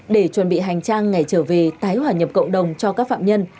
để chuẩn bị hành trang ngày trở về tái hòa nhập cộng đồng cho các phạm nhân